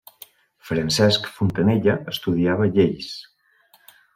Francesc Fontanella estudiava lleis.